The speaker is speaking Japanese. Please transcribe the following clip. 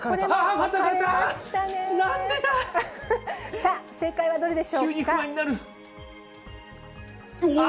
さあ、正解はどうでしょうか。